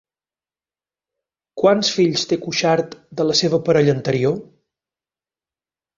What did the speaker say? Quants fills té Cuixart de la seva parella anterior?